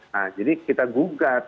nah jadi kita gugat